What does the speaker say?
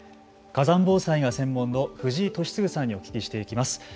火山防災が専門の藤井敏嗣さんにお聞きしていきます。